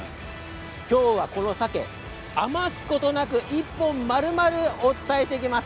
今日は、このさけ余すことなく１本まるまるお伝えしていきます。